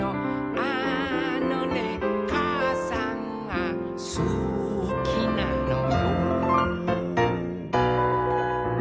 「あのねかあさんがすきなのよ」